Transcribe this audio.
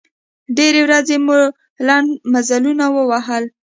ډېرې ورځې مو لنډ مزلونه ووهل.